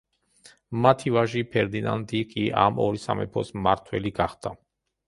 მათი ვაჟი ფერდინანდი კი ამ ორი სამეფოს მმართველი გახდა.